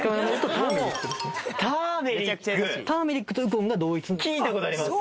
ターメリックターメリックとウコンが同一聞いたことあります